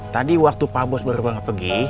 tadi waktu pak bos baru pergi